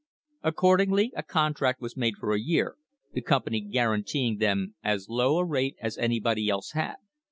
Accordingly a contract was made for a year, the company guaranteeing them as low a rate as anybody else had.